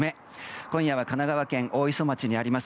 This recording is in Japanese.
今夜は神奈川県大磯町にあります